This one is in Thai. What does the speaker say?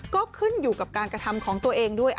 ก็ขึ้นอยู่กับการกระทำของตัวเองด้วย